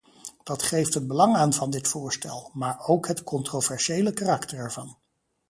Dat geeft het belang aan van dit voorstel, maar ook het controversiële karakter ervan.